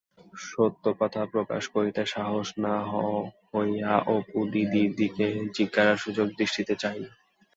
সত্য কথা প্রকাশ করিতে সাহসী না হইয়া অপু দিদির দিকে জিজ্ঞাসাসূচক দৃষ্টিতে চাহিল।